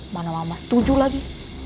mana mama setuju lagi